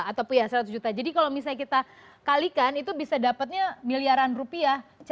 ataupun ya seratus juta jadi kalau misalnya kita kalikan itu bisa dapatnya miliaran rupiah